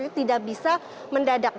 itu tidak bisa mendadak